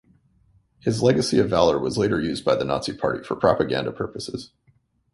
His legacy of valor was later used by the Nazi Party for propaganda purposes.